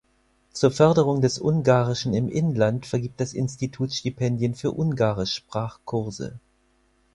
Zur Förderung des Ungarischen im Inland vergibt das Institut Stipendien für Ungarisch-Sprachkurse.